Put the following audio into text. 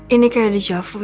ini kayak di javu ya